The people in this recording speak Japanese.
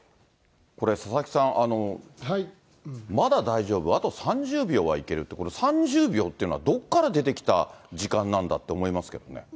これ、佐々木さん、まだ大丈夫、あと３０秒はいけるって、これ、３０秒っていうのはどこから出てきた時間なんだと思いますけどね。